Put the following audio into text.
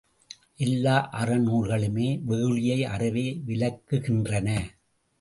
எல்லா அறநூல்களுமே வெகுளியை அறவே விலக்குகின்றன.